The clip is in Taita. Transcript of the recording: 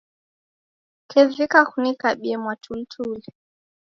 Kevika kunikabie mwatulituli.